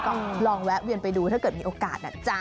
ก็ลองแวะเวียนไปดูถ้าเกิดมีโอกาสนะจ๊ะ